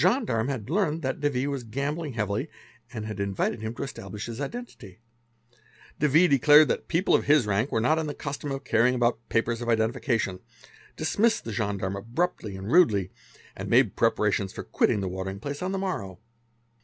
The gendarme ha¢ learned that de V. was gambling heavily and had invited him to establisk his identity. De V. declared that people of his rank were not in th custom of carrying about papers of identification, dismissed the gendarm abruptly and rudely, and made prepartions for quitting the watering plac on the morrow.